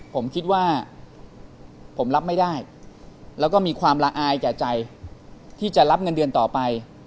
ผมคิดว่าผมรับไม่ได้แล้วก็มีความละอายแก่ใจที่จะรับเงินเดือนต่อไป